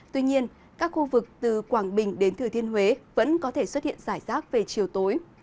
tuy nhiên các khu vực từ quảng bình đến thừa thiên huế vẫn có thể xuất hiện rải rác về chiều tối